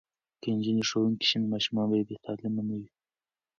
که نجونې ښوونکې شي نو ماشومان به بې تعلیمه نه وي.